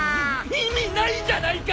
意味ないじゃないか！